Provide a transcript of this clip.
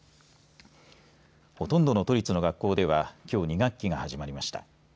ほとんどの都立の学校ではきょう２学期が始まりました。